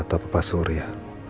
atau pak surya